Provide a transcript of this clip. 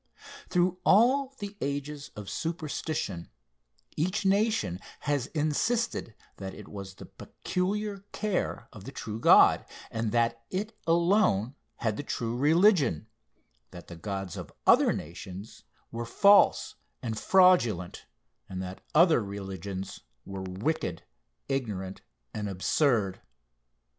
Through all the ages of superstition, each nation has insisted that it was the peculiar care of the true God, and that it alone had the true religion that the gods of other nations were false and fraudulent, and that other religions were wicked, ignorant and absurd.